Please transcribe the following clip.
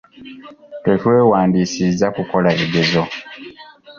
Twetwewandiisizza kukola bigezo.